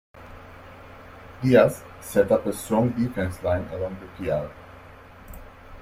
Diaz set up a strong defense line along the Piave.